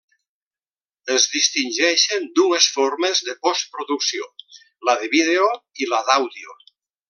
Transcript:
Es distingeixen dues formes de postproducció: la de vídeo i la d'àudio.